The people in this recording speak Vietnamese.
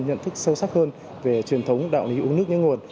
nhận thức sâu sắc hơn về truyền thống đạo lý uống nước nhớ nguồn